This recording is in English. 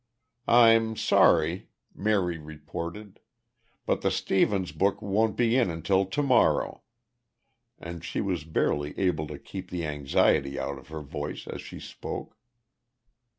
"I'm sorry," Mary reported, "but the Stevens book won't be in until to morrow," and she was barely able to keep the anxiety out of her voice as she spoke.